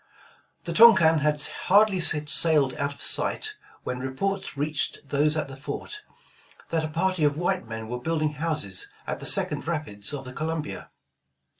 The Tonquin had hardly sailed out of sight, when reports reached those at the fort, that a party of white men were building houses at the second rapids of the Columbia.